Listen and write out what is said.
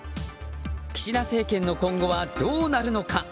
岸田政権の今後はどうなるのか。